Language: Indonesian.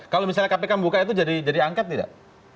kalau misalnya kpk membuka itu jadi angket tidak